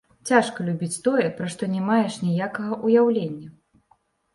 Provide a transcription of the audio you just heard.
Цяжка любіць тое, пра што не маеш ніякага ўяўлення.